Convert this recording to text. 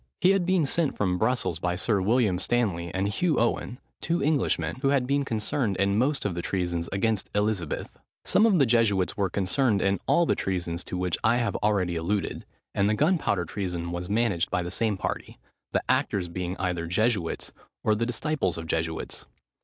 He had been sent from Brussels by Sir William Stanley and Hugh Owen, two Englishmen, who had been concerned in most of the treasons against Elizabeth. Some of the Jesuits were concerned in all the treasons to which I have already alluded; and the gunpowder treason was managed by the same party, the actors being either Jesuits, or the disciples of Jesuits.